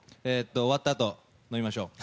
終わったあと飲みましょう！